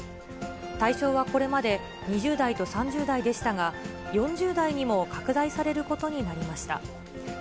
対象はこれまで、２０代と３０代でしたが、４０代にも拡大されることになりました。